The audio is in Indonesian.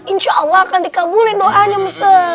insya allah akan dikabulin doanya besar